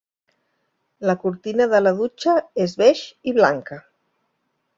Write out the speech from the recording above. La cortina de la dutxa és beix i blanca.